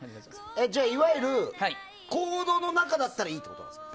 じゃあ、いわゆるコードの中だったらいいってことですか？